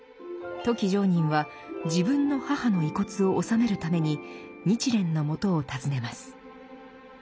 富木常忍は自分の母の遺骨を納めるために日蓮のもとを訪ねます。